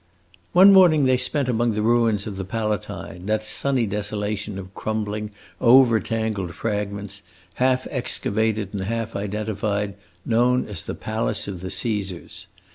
One morning they spent among the ruins of the Palatine, that sunny desolation of crumbling, over tangled fragments, half excavated and half identified, known as the Palace of the Caesars.